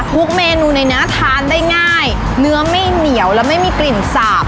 เมนูในเนื้อทานได้ง่ายเนื้อไม่เหนียวและไม่มีกลิ่นสาบ